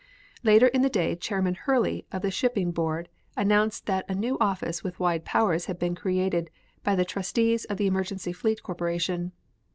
Later in the day Chairman Hurley of the Shipping Board announced that a new office with wide powers had been created by the Trustees of the Emergency Fleet Corporation.